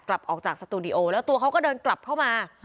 กลับออกจากสตูดิโอแล้วตัวเขาก็เดินกลับเข้ามา